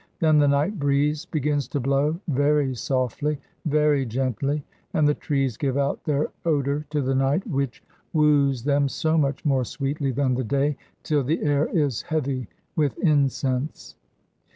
Then the night breeze begins to blow, very softly, very gently, and the trees give out their odour to the night, which woos them so much more sweetly than the day, till the air is heavy with incense.